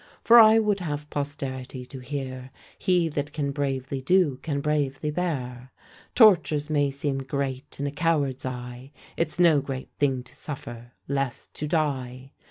For I would have posterity to hear, He that can bravely do, can bravely bear. Tortures may seem great in a coward's eye; It's no great thing to suffer, less to die.